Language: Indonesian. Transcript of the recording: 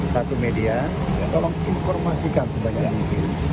satu media tolong informasikan sebanyak mungkin